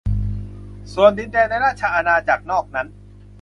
ส่วนดินแดนในราชอาณาจักรนอกนั้น